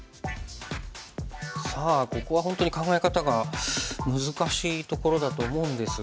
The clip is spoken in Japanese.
さあここは本当に考え方が難しいところだと思うんですが。